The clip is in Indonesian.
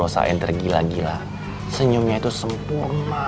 yang ringan banget sekarang